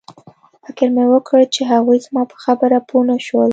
فکر مې وکړ چې هغوی زما په خبره پوه نشول